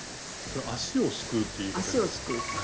これ足をすくうっていうこと。